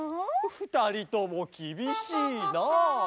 ふたりともきびしいなあ。